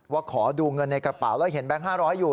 ขอดูเงินในกระเป๋าแล้วเห็นแบงค์๕๐๐อยู่